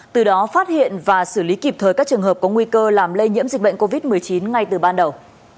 từ đó phát hiện và xử lý kịp thời các trường hợp có nguy cơ làm lây nhiễm dịch bệnh covid một mươi chín ngay từ ban đầu